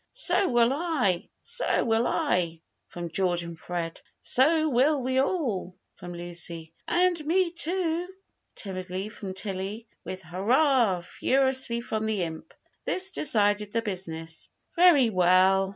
"So will I! so will I!" from George and Fred; "So will we all!" from Lucy; "And me, too!" timidly, from Tilly; with "Hurrah!" furiously from the imp, this decided the business. "Very well!"